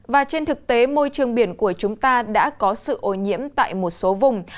và trên thực tế môi trường biển của chúng ta đã có sự ô nhiễm tại một số vùng